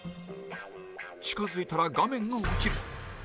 近づいたら画面が落ちる